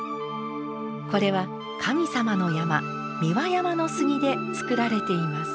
これは神様の山三輪山の杉で作られています。